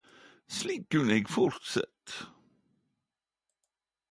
Slik kunne eg fortsett.